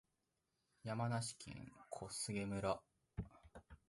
山梨県小菅村